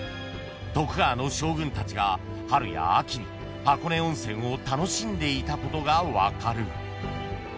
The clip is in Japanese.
徳川の将軍たちが春や秋に箱根温泉を楽しんでいたことが分かる］